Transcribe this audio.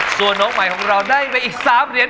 ส่วนน้องใหม่ของเราได้ไปอีก๓เหรียญ